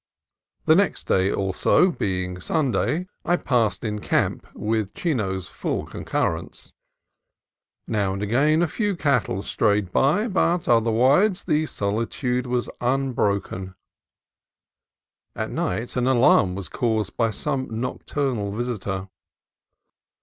The next day also, being Sunday, I passed in camp, with Chino's full concurrence. Now and again a few cattle strayed by, but otherwise the solitude was unbroken. At night an alarm was caused by some nocturnal visitor.